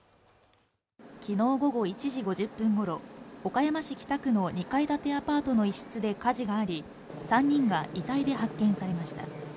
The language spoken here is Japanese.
昨日午後１時５０分ごろ岡山市北区の２階建てアパートの一室で火事があり３人が遺体で発見されました